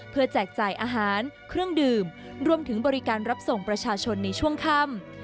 แจกจ่ายอาหารเครื่องดื่มรวมถึงบริการรับส่งประชาชนในช่วงค่ำ